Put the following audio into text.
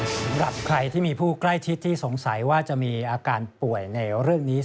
สำหรับใครที่มีผู้ใกล้ชิดที่สงสัยว่าจะมีอาการป่วยในเรื่องนี้